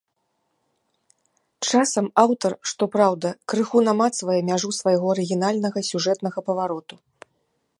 Часам аўтар, што праўда, крыху намацвае мяжу свайго арыгінальнага сюжэтнага павароту.